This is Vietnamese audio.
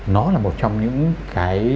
nó là một trong những cái